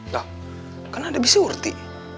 lah kan ada bisurti